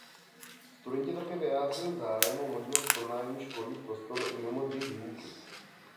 Studenti také vyjádřili zájem o možnost pronájmu školních prostor i mimo dny výuky.